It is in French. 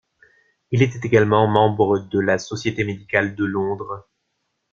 Il était également membre de la Société médicale de Londres.